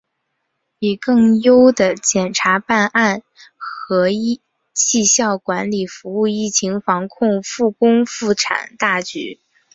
以更优的检察办案和绩效管理服务疫情防控、复工复产大局